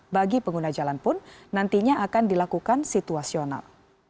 bagi pengguna jalan pun nantinya akan dilakukan situasional